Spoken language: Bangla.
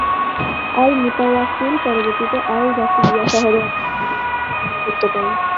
আল-মুতাওয়াক্কিল পরবর্তীতে আল-জাফরিয়্যা শহরে একটি খাল নির্মাণে তাদেরকে নিযুক্ত করেন।